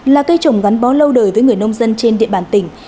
là cây trồng gắn bó lâu đời với người nông dân trên địa bàn tỉnh